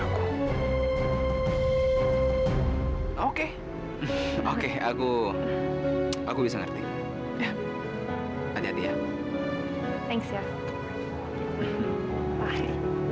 aku gak boleh lagi